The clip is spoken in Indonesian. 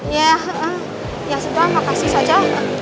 ya ya semua makasih saja